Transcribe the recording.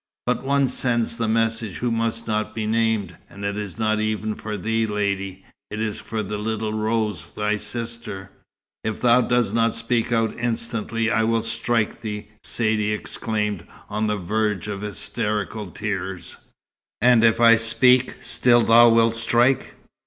"But one sends the message who must not be named; and it is not even for thee, lady. It is for the Little Rose, thy sister." "If thou dost not speak out instantly, I will strike thee!" Saidee exclaimed, on the verge of hysterical tears. "And if I speak, still thou wilt strike!